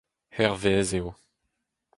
Hervez eo.